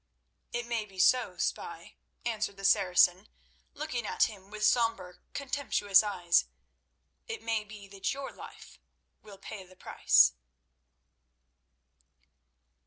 "It may be so, Spy," answered the Saracen, looking at him with sombre, contemptuous eyes. "It may be that your life will pay the price."